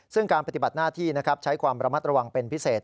ซึ่งการปฏิบัติหน้าที่ใช้ความระมัดระวังเป็นพิเศษ